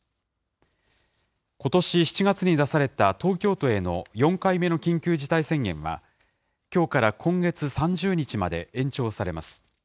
ことし７月に出された東京都への４回目の緊急事態宣言は、きょうから今月３０日まで延長されます。